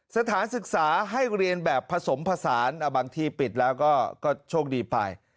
สถานศึกษาให้เรียนแบบผสมผสานบางที่ปิดแล้วก็โชคดีไป